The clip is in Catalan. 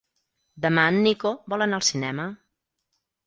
Demà en Nico vol anar al cinema.